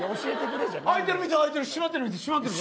開いてる店も開いてる閉まってる店は閉まってる。